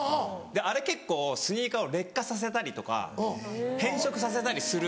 あれ結構スニーカーを劣化させたりとか変色させたりする。